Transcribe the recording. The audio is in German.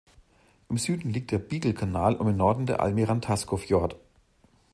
Im Süden liegt der Beagle-Kanal und im Norden der Almirantazgo-Fjord.